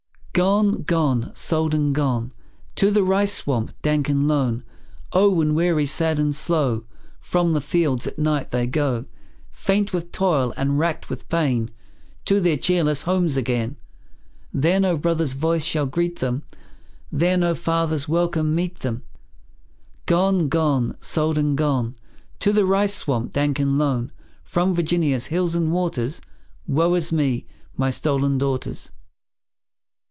Gone, gone, sold and gone, To the rice swamp dank and lone. Oh, when weary, sad, and slow, From the fields at night they go, Faint with toil, and racked with pain, To their cheerless homes again, There no brother's voice shall greet them; There no father's welcome meet them. Gone, gone, sold and gone, To the rice swamp dank and lone, From Virginia's hills and waters; Woe is me, my stolen daughters!